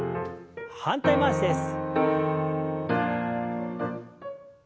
反対回しです。